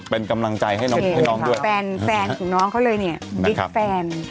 เป็นกำลังใจให้น้องด้วยแฟนของน้องเขาเลยเนี่ยวิทย์แฟน